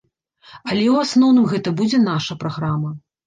Але, у асноўным, гэта будзе наша праграма.